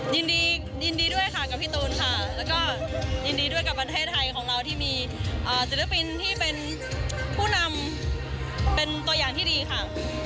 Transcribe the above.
ยินดียินดีด้วยค่ะกับพี่ตูนค่ะแล้วก็ยินดีด้วยกับประเทศไทยของเราที่มีศิลปินที่เป็นผู้นำเป็นตัวอย่างที่ดีค่ะ